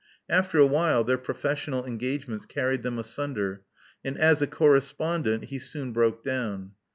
After a while, their professional engagements carried them astmder; and as a correspondent he soon broke down.